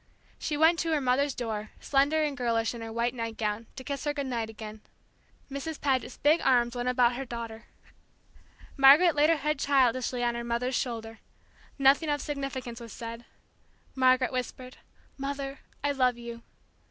She went to her mother's door, slender and girlish in her white nightgown, to kiss her good night again. Mrs. Paget's big arms went about her daughter. Margaret laid her head childishly on her mother's shoulder. Nothing of significance was said. Margaret whispered, "Mother, I love you!"